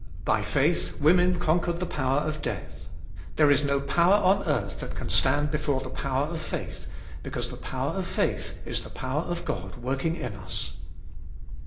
By faith women con quered the power of death. There is no power on earth that can stand before the power of faith, because the power of faith is the power of God working in us.